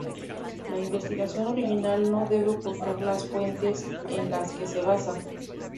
La investigación original no debe ocultar las fuentes en las que se basa.